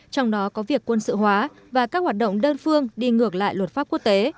trong đó có việc quân sự hóa và các hoạt động đơn phương đi ngược lại luật pháp quốc tế